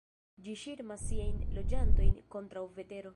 Ĝi ŝirmas siajn loĝantojn kontraŭ vetero.